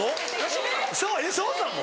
翔さんも？